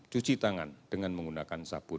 cuci tangan dengan menggunakan sabun